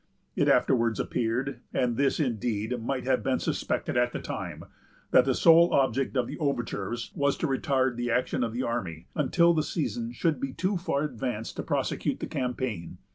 It afterwards appeared——and this, indeed, might have been suspected at the time——that the sole object of the overtures was to retard the action of the army until the season should be too far advanced to prosecute the campaign.